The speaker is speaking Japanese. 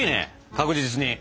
確実に。